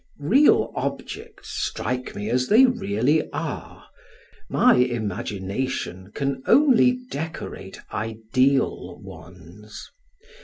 Real objects strike me as they really are, my imagination can only decorate ideal ones.